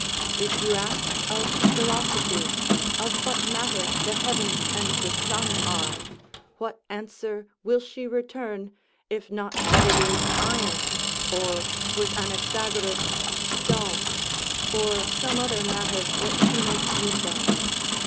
If you ask of philosophy of what matter the heavens and the sun are? what answer will she return, if not that it is iron, or, with Anaxagoras, stone, or some other matter that she makes use of?